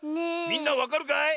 みんなわかるかい？